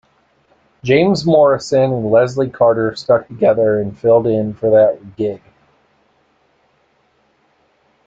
James Morrison and Leslie Carter stuck together and filled in for that gig.